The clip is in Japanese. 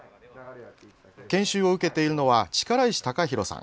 研修を受けているのは力石＊広さん。